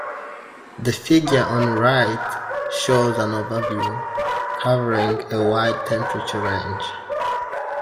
The figure on the right shows an overview covering a wide temperature range.